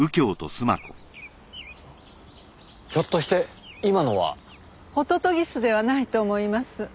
ひょっとして今のは。ホトトギスではないと思います。